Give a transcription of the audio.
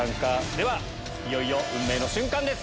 ではいよいよ運命の瞬間です！